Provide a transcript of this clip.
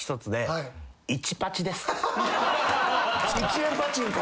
１円パチンコ？